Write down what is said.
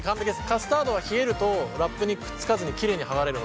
カスタードは冷えるとラップにくっつかずにきれいに剥がれるので。